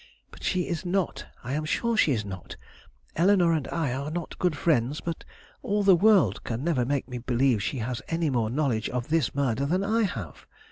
But she is not; I am sure she is not. Eleanore and I are not good friends; but all the world can never make me believe she has any more knowledge of this murder than I have.